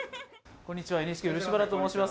こんにちは、ＮＨＫ、漆原と申します。